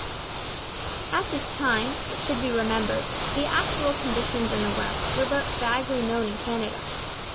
At this time, it should be remembered, the actual conditions in the West were but vaguely known in Canada.